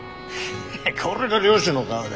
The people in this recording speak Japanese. これが漁師の顔だ。